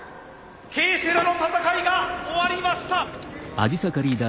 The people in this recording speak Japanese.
Ｋセラの戦いが終わりました。